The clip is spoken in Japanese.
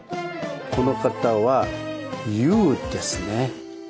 この方は「優」ですね。